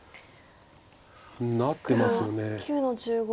なってますよね。